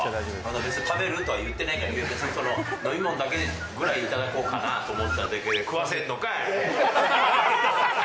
別に食べるとは言ってないから、飲み物だけでも、ぐらい頂こうかなと思っただけ、食わせんのかい！